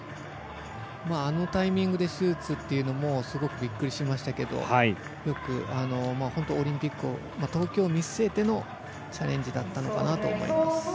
あのタイミングで手術というのもすごくびっくりしましたけど東京を見据えてのチャレンジだったのかなと思います。